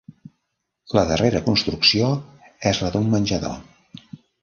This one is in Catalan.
La darrera construcció és la d'un menjador.